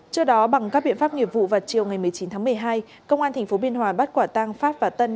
trước đó bằng các biện pháp nghiệp vụ vào chiều ngày một mươi chín tháng một mươi hai công an tp biên hòa bắt quả tang pháp và tân